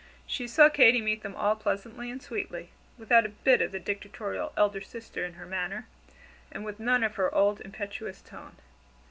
She saw Katy meet them all pleasantly and sweetly, without a bit of the dictatorial elder sister in her manner, and with none of her old, impetuous tone.